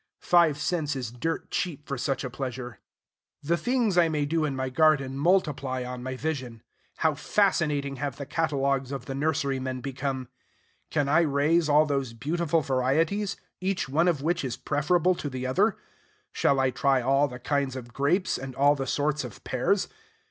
Five cents is dirt cheap for such a pleasure. The things I may do in my garden multiply on my vision. How fascinating have the catalogues of the nurserymen become! Can I raise all those beautiful varieties, each one of which is preferable to the other? Shall I try all the kinds of grapes, and all the sorts of pears?